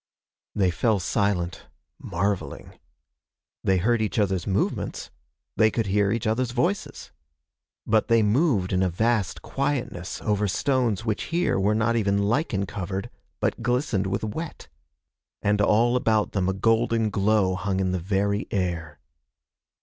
They fell silent, marveling. They heard each other's movements. They could hear each other's voices. But they moved in a vast quietness over stones which here were not even lichen covered, but glistened with wet. And all about them a golden glow hung in the very air.